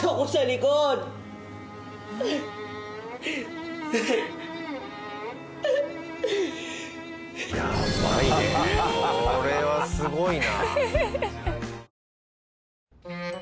これはすごいな。